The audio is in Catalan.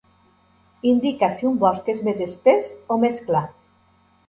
Indica si un bosc és més espès o més clar.